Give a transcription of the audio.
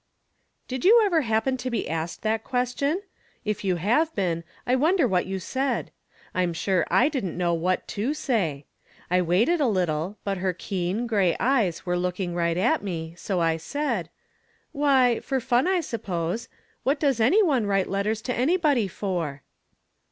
Did you ever happen to be asked that ques , 35 36 From Different Standpoints. tion? If you hare been, I wonder what you said. I'm sure I didn't know what to say. I waited a little, but her keen, gray eyes were look ing right at me ; so I said :" Why, for fun, I suppose ; what does any one write letters to anybody for